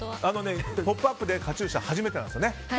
「ポップＵＰ！」でカチューシャ初めてなんですよね。